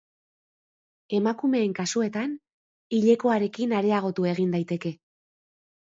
Emakumeen kasuetan hilekoarekin areagotu egin daiteke.